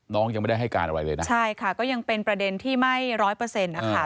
น้องยังไม่ได้ให้การอะไรเลยนะใช่ค่ะก็ยังเป็นประเด็นที่ไม่๑๐๐ค่ะ